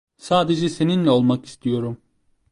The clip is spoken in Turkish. Sadece seninle olmak istiyorum.